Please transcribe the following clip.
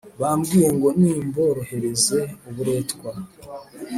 Bambwiye ngo nimborohereze uburetwa